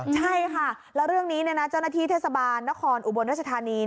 ใช่ค่ะเจ้าหน้าที่เทศบาลนครอุบลรัชทานี